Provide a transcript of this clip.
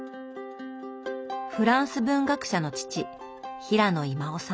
フランス文学者の父平野威馬雄さん。